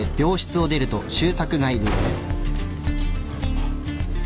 あっ。